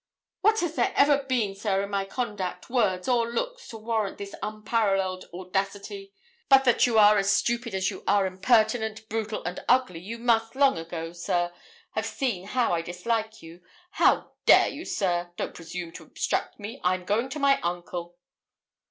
'What has there ever been, sir, in my conduct, words, or looks, to warrant this unparalleled audacity? But that you are as stupid as you are impertinent, brutal, and ugly, you must, long ago, sir, have seen how I dislike you. How dare you, sir? Don't presume to obstruct me; I'm going to my uncle.'